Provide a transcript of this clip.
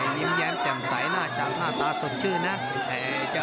ยิ้มแย้มแจ่มใสน่าจะหน้าตาสมชื่อนะ